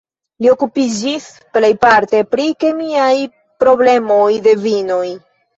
Li okupiĝis plejparte pri kemiaj problemoj de vinoj.